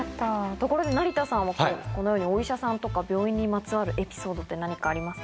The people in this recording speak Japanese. ところで成田さんはこのようにお医者さんとか病院にまつわるエピソードって何かありますか？